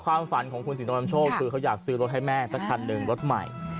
ความฝันของคุณสินวรนำโชคคือเขาอยากซื้อรถให้แม่สักคันหนึ่งรถใหม่